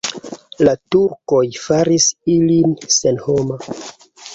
La turkoj faris ilin senhoma.